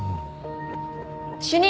主任。